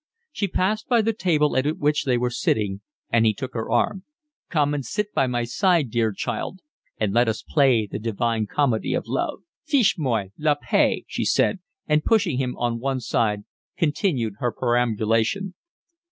She passed by the table at which they were sitting, and he took her arm. "Come and sit by my side, dear child, and let us play the divine comedy of love." "Fichez moi la paix," she said, and pushing him on one side continued her perambulation.